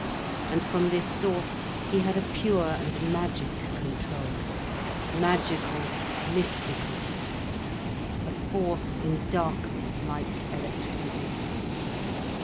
And from this source he had a pure and magic control, magical, mystical, a force in darkness, like electricity.